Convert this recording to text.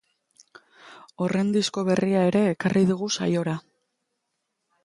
Horren disko berria ere ekarri dugu saiora.